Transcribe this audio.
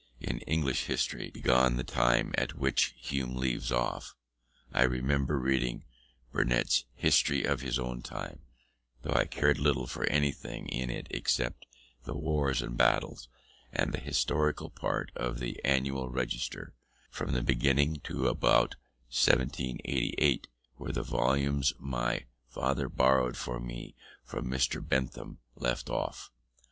In English history, beyond the time at which Hume leaves off, I remember reading Burnet's History of his Own Time, though I cared little for anything in it except the wars and battles; and the historical part of the Annual Register, from the beginning to about 1788, where the volumes my father borrowed for me from Mr. Bentham left off.